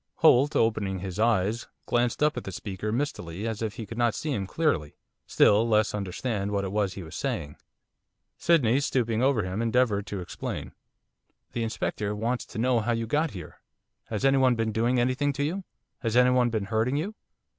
Holt, opening his eyes, glanced up at the speaker mistily, as if he could not see him clearly, still less understand what it was that he was saying. Sydney, stooping over him, endeavoured to explain. 'The Inspector wants to know how you got here, has anyone been doing anything to you? Has anyone been hurting you?